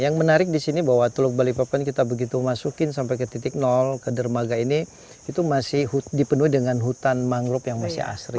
yang menarik di sini bahwa teluk balikpapan kita begitu masukin sampai ke titik ke dermaga ini itu masih dipenuhi dengan hutan mangrove yang masih asri